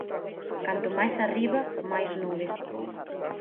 Canto máis arriba, máis nubes.